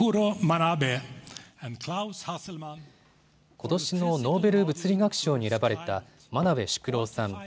ことしのノーベル物理学賞に選ばれた真鍋淑郎さん。